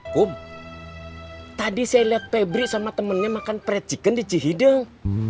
kum tadi saya lihat febri sama temannya makan fried chicken di cihideng